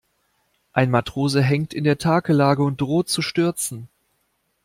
Ein Matrose hängt in der Takelage und droht zu stürzen.